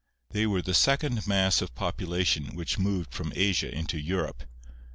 They were the second mass of population which moved from Asia into Europe.